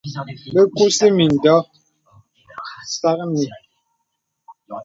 Bə kūsì mìndɔ̄ɔ̄ sâknì.